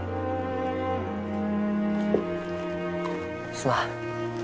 すまん。